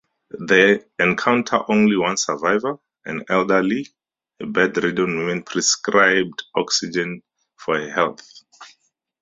They encounter only one survivor, an elderly, bed-ridden woman prescribed oxygen for her health.